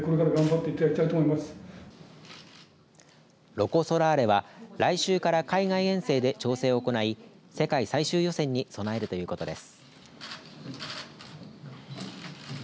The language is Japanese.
ロコ・ソラーレは、来週から海外遠征で調整を行い世界最終予選に備えるということです。